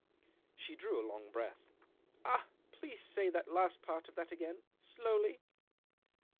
She drew a long breath. " Ah ! please say the last part of that again — slowly."